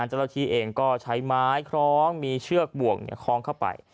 เจ้าหน้าที่เองก็ใช้ไม้คล้องมีเชือกบ่วงคล้องเข้าไป